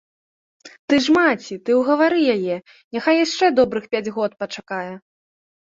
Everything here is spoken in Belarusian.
Ты ж маці, ты ўгавары яе, няхай яшчэ добрых пяць год пачакае.